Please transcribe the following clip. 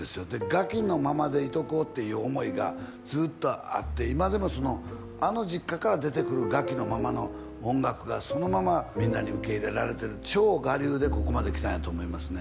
ガキのままでいておこうっていう思いがずっとあって今でもあの実家から出てくるガキのままの音楽がそのままみんなに受け入れられてる超我流でここまで来たんやと思いますね